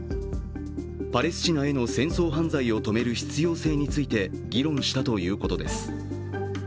パレスチナへの戦争犯罪を止める必要性について議論したということです。